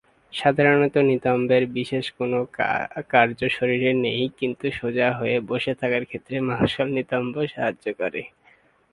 সাধারণত নিতম্বের বিশেষ কোন কার্য শরীরে নেই কিন্তু সোজা হয়ে বসে থাকার ক্ষেত্রে মাংসল নিতম্ব সাহায্য করে।